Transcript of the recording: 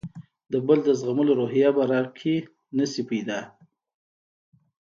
د بل د زغملو روحیه به راکې نه شي پیدا.